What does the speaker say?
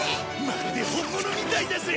まるで本物みたいだぜ！